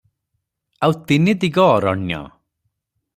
ଆଉ ତିନି ଦିଗ ଅରଣ୍ୟ ।